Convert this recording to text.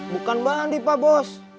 bukan bhandi pak bos